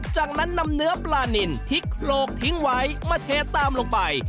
จากนั้นนำเนื้อปลานินที่โคลกทิ้งไว้มาเทตามลงไป